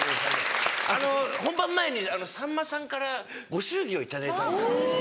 あの本番前にさんまさんからご祝儀を頂いたんです。